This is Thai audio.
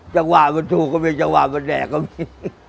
จะว่ามันถูกก็มีจะว่ามันแดกก็มี